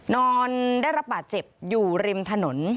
นอนได้รับบาดเจ็บอยู่ริมถนน